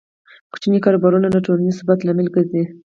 کوچني کاروبارونه د ټولنیز ثبات لامل ګرځي.